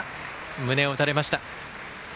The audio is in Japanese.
胸を打たれました。